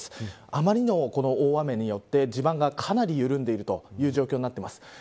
あまりの大雨によって地盤がかなり緩んでいるという状況になっています。